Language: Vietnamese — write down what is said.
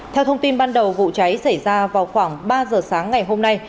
theo thông tin ban đầu vụ cháy xảy ra vào khoảng ba giờ sáng ngày hôm nay